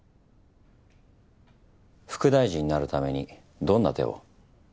副大臣になるためにどんな手を？